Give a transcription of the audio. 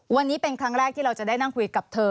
วันนี้เป็นครั้งแรกที่เราจะได้นั่งคุยกับเธอ